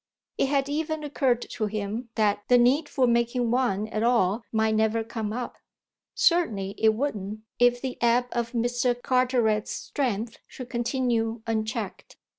It had even occurred to him that the need for making one at all might never come up. Certainly it wouldn't if the ebb of Mr. Carteret's strength should continue unchecked.